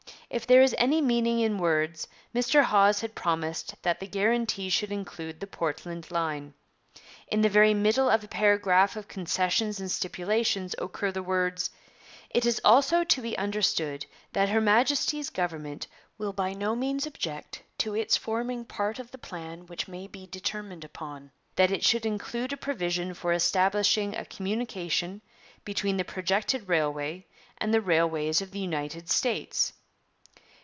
If there is any meaning in words, Mr Hawes had promised that the guarantee should include the Portland line. In the very middle of a paragraph of concessions and stipulations occur the words: 'It is also to be understood that Her Majesty's Government will by no means object to its forming part of the plan which may be determined upon, that it should include a provision for establishing a communication between the projected railway and the railways of the United States.'